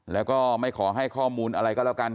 แล้วก็ไม่ขอให้ข้อมูลอะไรก็แล้วกัน